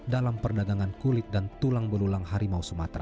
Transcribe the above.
dalam perdagangan kulit dan tulang belulang harimau sumatera